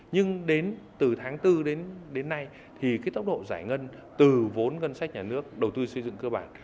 nhưng đến từ tháng bốn đến nay thì cái tốc độ giải ngân từ vốn ngân sách nhà nước đầu tư xây dựng cơ bản